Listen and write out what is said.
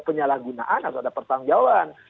penyalahgunaan atau ada pertanggungjawaban